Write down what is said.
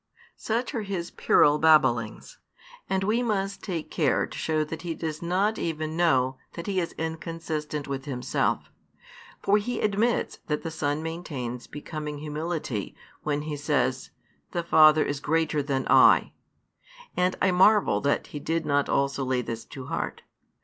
Such are his puerile babblings. And we must take care to show that he does not even know that he is inconsistent with himself. For he admits that the Son maintains becoming humility, when He says, The Father is greater than I; and I marvel that he did not also lay this to heart.